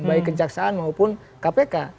baik kejaksaan maupun kpk